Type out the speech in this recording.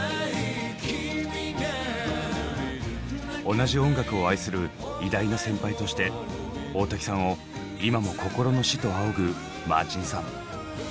同じ音楽を愛する偉大な先輩として大滝さんを今も心の師と仰ぐマーチンさん。